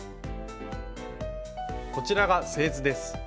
こちらが製図です。